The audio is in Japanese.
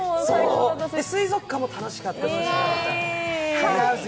水族館も楽しかった。